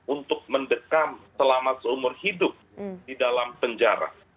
untuk mendekam selama seumur hidup di dalam penjara